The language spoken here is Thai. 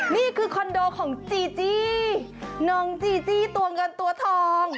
นี่คือคอนโดของจีจี้น้องจีจี้ตัวเงินตัวทอง